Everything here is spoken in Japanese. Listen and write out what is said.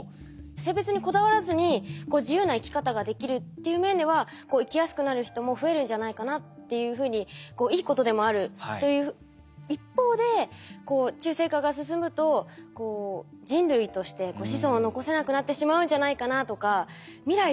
性別にこだわらずに自由な生き方ができるっていう面では生きやすくなる人も増えるんじゃないかなっていうふうにいいことでもあるという一方で中性化が進むと人類として子孫を残せなくなってしまうんじゃないかなとか未来